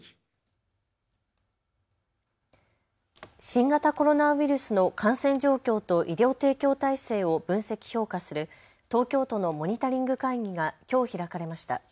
新型コロナウイルスの感染状況と医療提供体制を分析・評価する東京都のモニタリング会議がきょう開かれました。